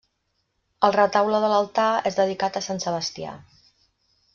El retaule de l'altar és dedicat a sant Sebastià.